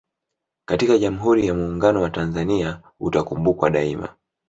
katika Jamuhuri ya Muuunguno wa Tanzania utakumbukwa daima